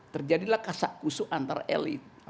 terjadilah kasak kusuk antar elit